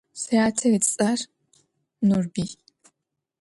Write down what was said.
Syate ıts'er Nurbıy.